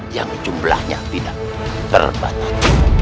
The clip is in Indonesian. yang jumlahnya tidak terbatas